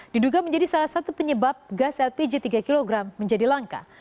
diduga menjadi salah satu penyebab gas lpg tiga kg menjadi langka